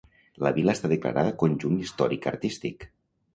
La vila està declarada Conjunt Històric-Artístic.